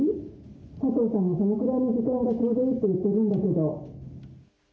佐藤さんもそのくらいの時間がちょうどいいって言ってるんだけど」。